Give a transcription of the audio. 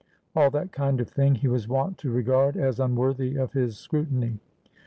All that kind of thing he was wont to regard as unworthy of his scrutiny.